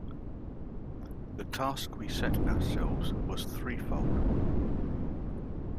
The task we set ourselves was threefold.